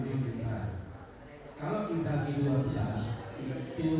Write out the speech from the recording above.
jadi saya tidak pernah melihatnya